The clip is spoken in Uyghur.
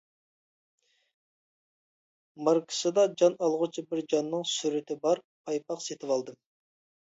ماركىسىدا جان ئالغۇچى بىر جاناننىڭ سۈرىتى بار پايپاق سېتىۋالدىم.